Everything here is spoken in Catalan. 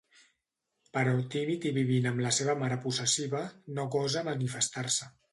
Però tímid i vivint amb la seva mare possessiva, no gosa manifestar-se.